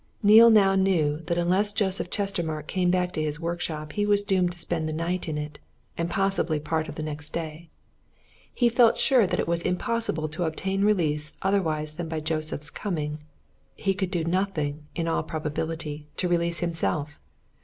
Neale now knew that unless Joseph Chestermarke came back to his workshop he was doomed to spend the night in it and possibly part of the next day. He felt sure that it was impossible to obtain release otherwise than by Joseph's coming. He could do nothing in all probability to release himself.